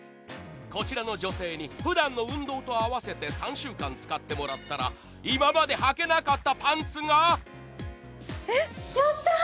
こちらの女性にふだんの運動と合わせて３週間使ってもらったら、今まではけなかったパンツがえっ、やったー！